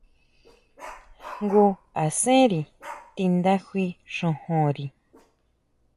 Jngu asenri tindajui xojonri.